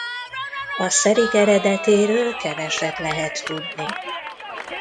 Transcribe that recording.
A szerik eredetéről keveset lehet tudni.